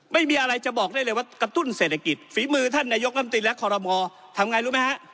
ไม่มีอะไรจะบอกได้เลยว่ากระตุ้นเศรษฐกิจฝีมือท่านนายกรรมตรีและคอรมอทำไงรู้ไหมฮะ